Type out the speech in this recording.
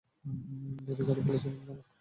দেরি করে ফেলছেন আপনারা।